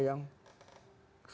yang berpikirnya itu